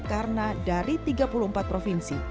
karena dari tiga puluh empat provinsi